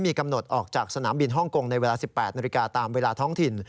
มีกำหนดออกจากสนามบินฮ่องกงในเวลา๑๘นาฬิกาตามเวลาท้องถิ่น